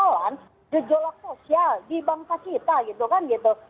persoalan gejolak sosial di bangsa kita gitu kan gitu